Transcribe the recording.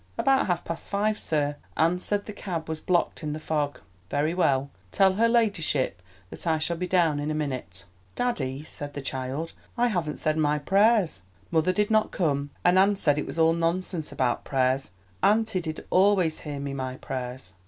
"About half past five, sir. Anne said the cab was blocked in the fog." "Very well. Tell her ladyship that I shall be down in a minute." "Daddy," said the child, "I haven't said my prayers. Mother did not come, and Anne said it was all nonsense about prayers. Auntie did always hear me my prayers."